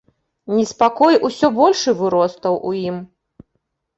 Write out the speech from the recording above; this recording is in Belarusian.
Неспакой усё большы выростаў у ім.